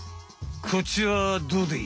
こっちはどうだい？